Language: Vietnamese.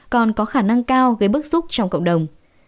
còn có khả năng cao gây bức xúc trong cộng đồng